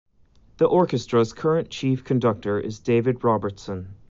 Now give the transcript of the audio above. The orchestra's current chief conductor is David Robertson.